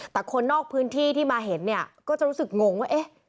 แต่คนนอกพื้นที่ที่มาเห็นก็จะรู้สึกงงว่า